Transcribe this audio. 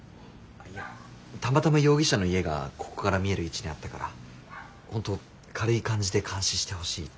いやたまたま容疑者の家がここから見える位置にあったからホント軽い感じで監視してほしいって。